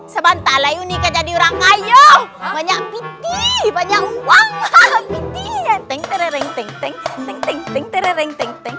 sebentar lagi jadi orang ngayong banyak piti banyak uang